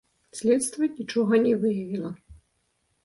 Следства нічога не выявіла.